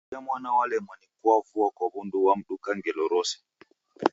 Uja mwana walemwa ni kuavua kwa w’undu w’amduka ngelo rose.